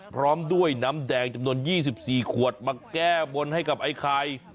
พร้อมด้วยน้ำแดงจำนวน๒๔ขวดมาแก้บนให้กับไอ้ไข่